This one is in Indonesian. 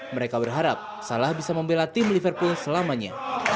mereka berharap salah bisa membela tim liverpool selamanya